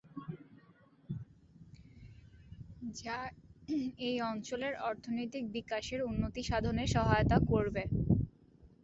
যা এই অঞ্চলের অর্থনৈতিক বিকাশের উন্নতি সাধনে সহায়তা করবে।